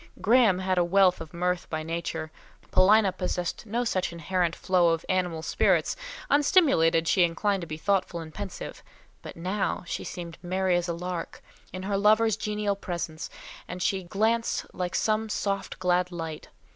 Graham had wealth of mirth by nature; Paulina possessed no such inherent flow of animal spirits—unstimulated, she inclined to be thoughtful and pensive—but now she seemed merry as a lark; in her lover's genial presence, she glanced like some soft glad light.